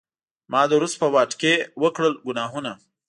ما د روس په واډکې وکړل ګناهونه